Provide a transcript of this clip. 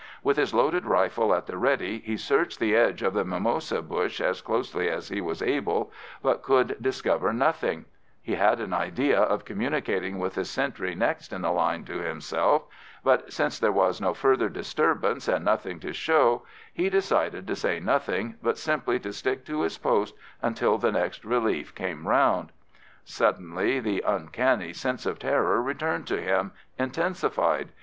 With his loaded rifle at the ready he searched the edge of the mimosa bush as closely as he was able, but could discover nothing; he had an idea of communicating with the sentry next in the line to himself, but, since there was no further disturbance, and nothing to show, he decided to say nothing, but simply to stick to his post until the next relief came round. Suddenly the uncanny sense of terror returned to him, intensified.